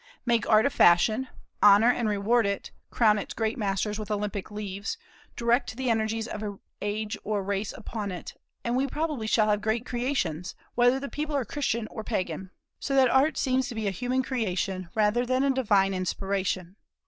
Make Art a fashion, honor and reward it, crown its great masters with Olympic leaves, direct the energies of an age or race upon it, and we probably shall have great creations, whether the people are Christian or Pagan. So that Art seems to be a human creation, rather than a divine inspiration.